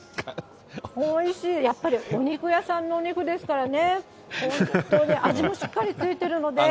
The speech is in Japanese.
おいしい、やっぱりお肉屋さんのお肉ですからね、本当に味もしっかりついてるので。